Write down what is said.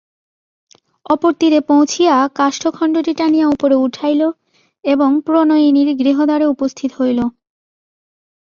অপর তীরে পৌঁছিয়া কাষ্ঠখণ্ডটি টানিয়া উপরে উঠাইল এবং প্রণয়িনীর গৃহদ্বারে উপস্থিত হইল।